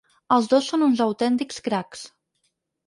Els dos són uns autèntics cracs!